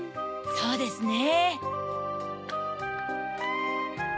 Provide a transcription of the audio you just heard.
そうですね。